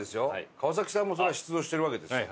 川さんもそりゃ出場してるわけです。